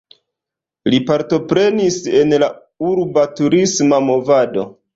Li partoprenis en la urba turisma movado.